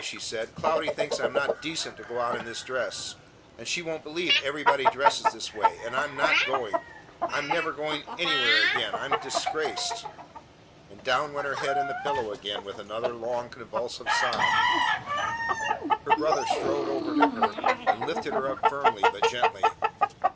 she said. "Cloudy thinks I'm not decent to go out in this dress, and she won't believe everybody dresses this way; and I'm not going! I'm never going anywhere again; I'm disgraced!" And down went her head in the pillow again with another long, convulsive sob. Her brother strode over to her, and lifted her up firmly but gently.